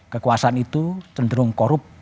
kekuasaan itu cenderung korup